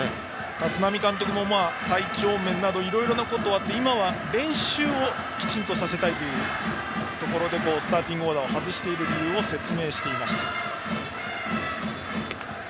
立浪監督も体調面などでいろいろなことがあったので今は練習をきちんとさせたいというところでスターティングオーダーを外している理由を説明していました。